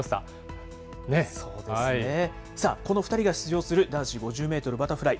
そうですね、さあ、この２人が出場する男子５０メートルバタフライ。